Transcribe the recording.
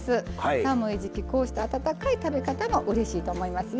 寒い時期こうした温かい食べ方もうれしいと思いますよ。